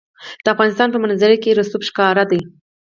د افغانستان په منظره کې رسوب ښکاره ده.